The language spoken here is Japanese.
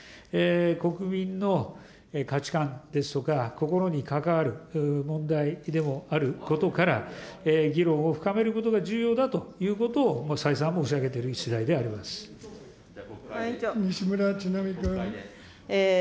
国民の価値観ですとか、心に関わる問題でもあることから、議論を深めることが重要だということを再三、西村智奈美君。